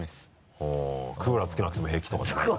ほぉクーラーつけなくても平気とかじゃないんだ。